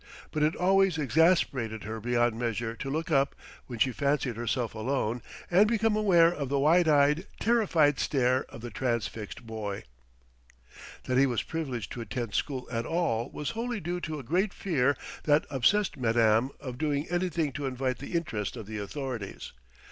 But it always exasperated her beyond measure to look up, when she fancied herself alone, and become aware of the wide eyed, terrified stare of the transfixed boy.... That he was privileged to attend school at all was wholly due to a great fear that obsessed Madame of doing anything to invite the interest of the authorities.